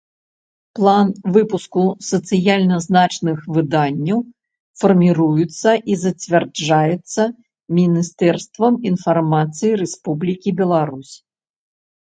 План выпуску сацыяльна значных выданняў фармiруецца i зацвярджаецца Мiнiстэрствам iнфармацыi Рэспублiкi Беларусь.